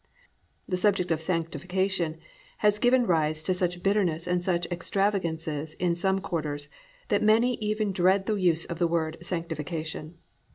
The subject of Sanctification has given rise to such bitterness and such extravagances in some quarters that many even dread the use of the word "Sanctification."